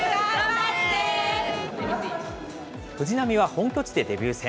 藤浪は本拠地でデビュー戦。